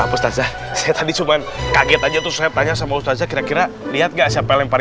oh ending cuman kaget aja tuh saya tanya sama ustadz kayak dua lihat siapa lempar